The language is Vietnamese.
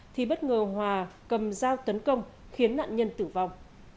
thì bất ngờ hòa cầm dao tấn công khiến nạn nhân tử vong